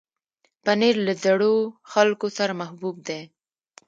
پنېر له زړو خلکو سره محبوب دی.